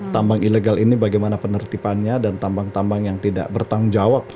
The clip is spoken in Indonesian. tambang ilegal ini bagaimana penertipannya dan tambang tambang yang tidak bertanggung jawab